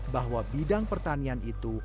bahwa bidang pertanian itu